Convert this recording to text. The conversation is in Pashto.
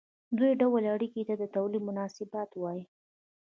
دې ډول اړیکو ته د تولید مناسبات وايي.